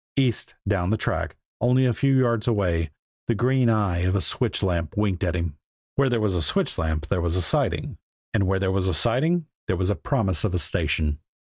East, down the track, only a few yards away, the green eye of a switch lamp winked at him. Where there was a switch lamp there was a siding, and where there was a siding there was promise of a station.